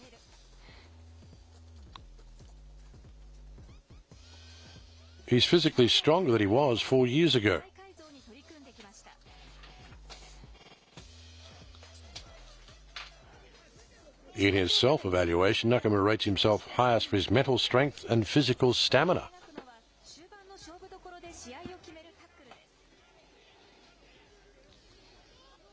思い描くのは、終盤の勝負どころで試合を決めるタックルです。